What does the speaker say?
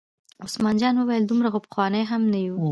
عثمان جان وویل: دومره خو پخواني هم نه یو.